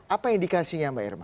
apa indikasinya mbak irma